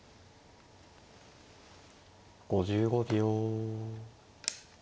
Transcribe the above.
５５秒。